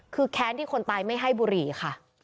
คือแค้นที่คนตายไม่ให้บุหรี่ค่ะ